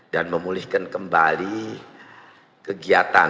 dan memulihkan kembali kegiatan